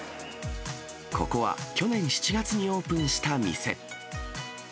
ここは去年７月にオープンした店。